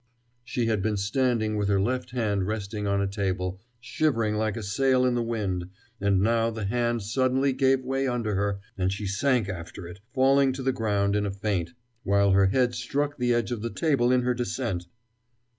She had been standing with her left hand resting on a table, shivering like a sail in the wind, and now the hand suddenly gave way under her, and she sank after it, falling to the ground in a faint, while her head struck the edge of the table in her descent.